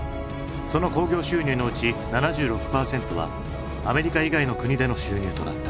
その興行収入のうち７６％はアメリカ以外の国での収入となった。